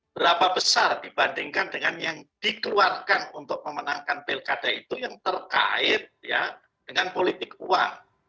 berapa besar dibandingkan dengan yang dikeluarkan untuk memenangkan pilkada itu yang terkait dengan politik uang